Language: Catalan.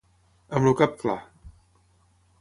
Amb el cap clar.